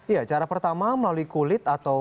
ya cara pertama melalui kulit atau